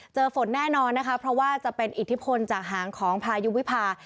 ฝนแน่นอนนะคะเพราะว่าจะเป็นอิทธิพลจากหางของพายุวิพา